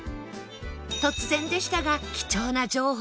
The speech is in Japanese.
突然でしたが貴重な情報